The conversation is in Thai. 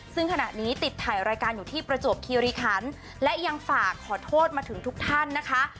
ซึ่งขณะนี้ติดถ่ายรายการอยู่ที่ประจวบคิริคันและยังฝากขอโทษมาถึงทุกท่านนะคะ